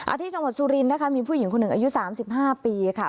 อาทิตย์จังหวัดสุรินนะคะมีผู้หญิงคนหนึ่งอายุสามสิบห้าปีค่ะ